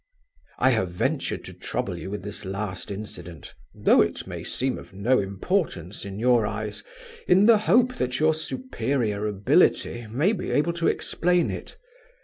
"I have ventured to trouble you with this last incident, though it may seem of no importance in your eyes, in the hope that your superior ability may be able to explain it.